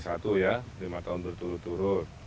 satu ya lima tahun berturut turut